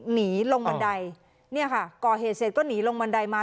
หนีลงบันไดเนี่ยค่ะก่อเหตุเสร็จก็หนีลงบันไดมา